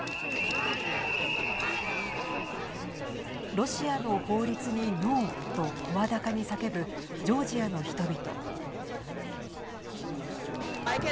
ロシアの法律にノーと声高に叫ぶジョージアの人々。